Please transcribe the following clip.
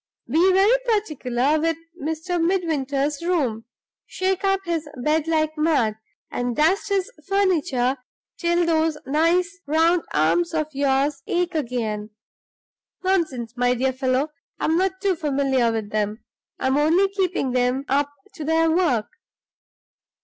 Be very particular with Mr. Midwinter's room: shake up his bed like mad, and dust his furniture till those nice round arms of yours ache again. Nonsense, my dear fellow! I'm not too familiar with them; I'm only keeping them up to their work.